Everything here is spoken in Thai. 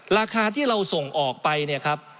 ราคาที่เราส่งออกไปเนี่ยครับ